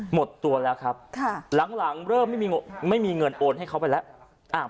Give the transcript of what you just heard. หมดตัวแล้วครับหลังเริ่มไม่มีเงินโอนให้เขาไปแล้ว